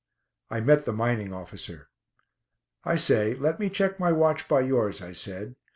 I met the mining officer. "I say; let me check my watch by yours," I said.